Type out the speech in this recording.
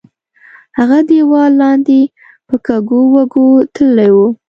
هغه دیوال لاندې په کږو وږو تللی وو.